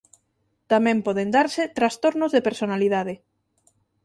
Tamén poden darse trastornos de personalidade.